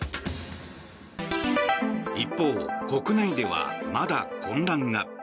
一方、国内ではまだ混乱が。